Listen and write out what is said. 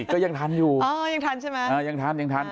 ก็ยังทันอยู่อ๋อยังทันใช่ไหมยังทันยังทัน